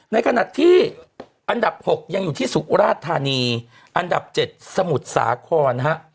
ในขณะที่อันดับ๖ยังอยู่ที่สุราชธานีอันดับ๗สมุทรสาครนะฮะ